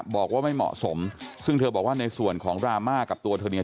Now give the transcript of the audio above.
บอกว่าไม่เหมาะสมซึ่งเธอบอกว่าในส่วนของดราม่ากับตัวเธอเนี่ย